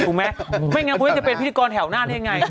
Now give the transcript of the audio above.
ถูกมั้ยเนี่ยถ้าไม่งั้นเข้าแถวหน้านมันก็เป็นพิธีกรแถวหน้านี่ไง